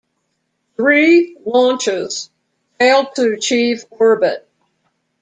Three launches failed to achieve orbit.